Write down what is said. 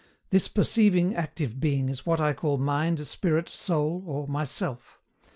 This perceiving, active being is what I call MIND, SPIRIT, SOUL, or MYSELF.